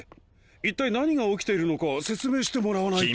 一体何が起きているのか説明してもらわないと。